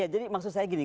ya jadi maksud saya gini